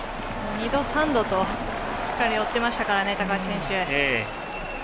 ２度、３度としっかりと追ってましたからね高橋選手。